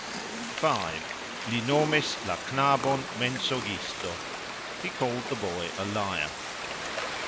5. Li nomis la knabon mensogisto. He called the boy a liar.